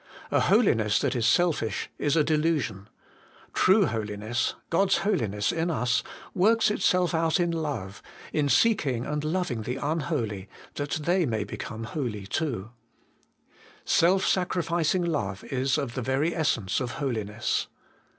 A holiness that is selfish is a delusion. True holiness, God's holiness in us, works itself out in love, in seek ing and loving the unholy, that they may become holy too. Self sacrificing love is of the very essence of holiness.